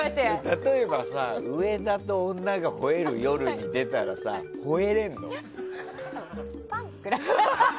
例えばさ「上田と女が吠える夜」に出たらさ、吠えれるの？